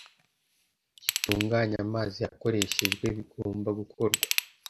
gitunganya amazi yakoreshejwe bigomba gukorwa.